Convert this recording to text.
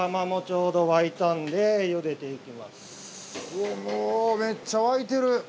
おぉめっちゃ沸いてる。